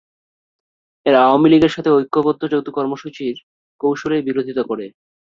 এরা আওয়ামী লীগের সাথে ঐক্যবদ্ধ যৌথ কর্মসূচির কৌশলের বিরোধিতা করে।